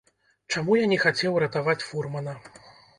Чаму я не хацеў ратаваць фурмана?